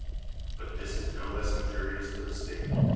But this is no less injurious to the state